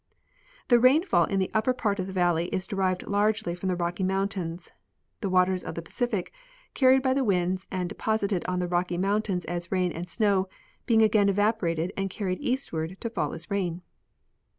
The rainfall in the upper part of the valley is derived largely from the Rocky mountains, the waters of the Pacific carried b}^ the winds and deposited on the Rocky mountains as rain and snow being again evaporated and carried eastward to fall as rain.